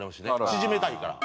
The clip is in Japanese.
縮めたいから。